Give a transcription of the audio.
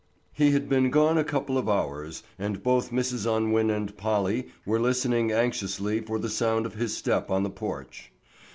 He had been gone a couple of hours, and both Mrs. Unwin and Polly were listening anxiously for the sound of his step on the porch.